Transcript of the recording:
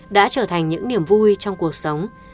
đã trở thành những niềm vui trong cuộc sống